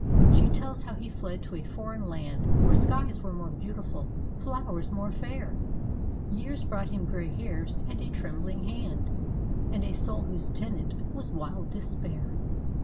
She tells how he fled to a foreign land, Where skies were more beautiful, flowers more fair; Years brought him grey hairs, and a trembling hand, And a soul, whose tenant was wild despair.